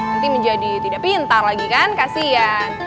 nanti menjadi tidak pintar lagi kan kasian